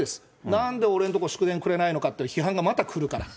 なんで俺のとこ、祝電くれないのかっていう批判がまた来るから。